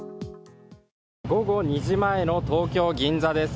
午後２時前の東京・銀座です。